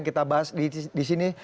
kita bahas disini